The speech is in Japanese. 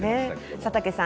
佐竹さん